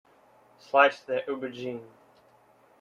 Slice the aubergine.